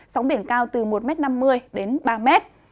sóng biển cao từ một năm mươi m đến ba m